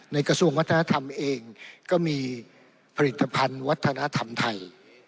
กระทรวงวัฒนธรรมเองก็มีผลิตภัณฑ์วัฒนธรรมไทย